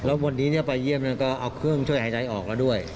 แล้ววันนี้ไปเยี่ยมก็เอาเครื่องช่วยหายใจออกแล้วด้วย